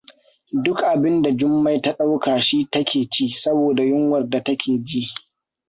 Duk abinda Jummai ta ɗauka shi ta ke ci saboda yunwar da take ji.